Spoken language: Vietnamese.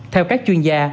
theo các chuyên gia